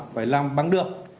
phải làm bằng được